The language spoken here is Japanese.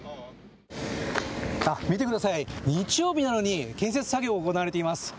見てください、日曜日なのに建設作業が行われています。